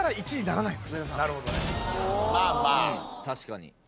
確かに。